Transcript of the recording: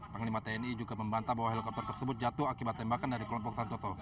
panglima tni juga membantah bahwa helikopter tersebut jatuh akibat tembakan dari kelompok santoso